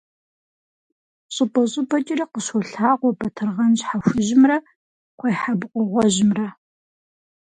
Щӏыпӏэ-щӏыпӏэкӏэрэ къыщолъагъуэ батыргъэн щхьэ хужьымрэ кхъуейхьэбыкъуэ гъуэжьымрэ.